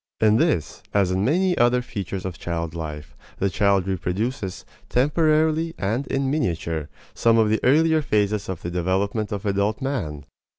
In this, as in many other features of child life, the child reproduces, temporarily and in miniature, some of the earlier phases of the development of adult man.